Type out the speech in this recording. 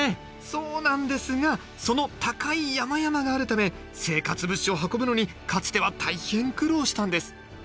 そうなんですがその高い山々があるため生活物資を運ぶのにかつては大変苦労したんです。